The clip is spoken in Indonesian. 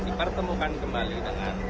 dipertemukan kembali dengan